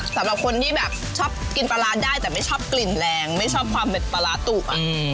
สำหรับคนที่แบบชอบกินปลาร้าได้แต่ไม่ชอบกลิ่นแรงไม่ชอบความเด็ดปลาร้าตุก